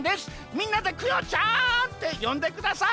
みんなでクヨちゃんってよんでください。